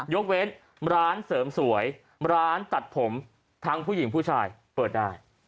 ยกเว้นร้านเสริมสวยร้านตัดผมทั้งผู้หญิงผู้ชายเปิดได้